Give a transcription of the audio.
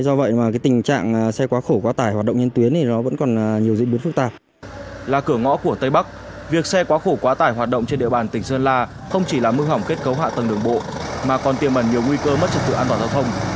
tại cửa ngõ của tây bắc việc xe quá khổ quá tải hoạt động trên địa bàn tỉnh sơn la không chỉ là mưu hỏng kết cấu hạ tầng đường bộ mà còn tiềm mẩn nhiều nguy cơ mất trật tự an toàn giao thông